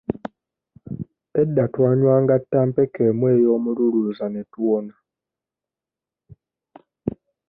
Edda twanywanga ttampeko emu ey'omululuuza ne tuwona.